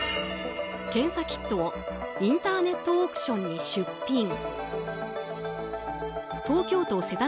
検査キットをインターネットオークションに出品。